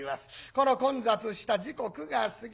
この混雑した時刻が過ぎる。